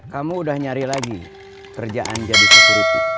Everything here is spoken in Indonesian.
kamu sudah nyari lagi kerjaan jadi sekuriti